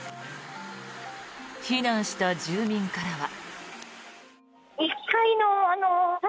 避難した住民からは。